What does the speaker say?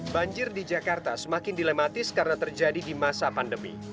banjir di jakarta semakin dilematis karena terjadi di masa pandemi